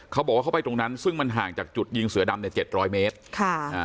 เขาบอกว่าเขาไปตรงนั้นซึ่งมันห่างจากจุดยิงเสือดำเนี่ยเจ็ดร้อยเมตรค่ะอ่า